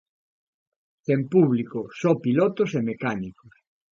Sen público, só pilotos e mecánicos.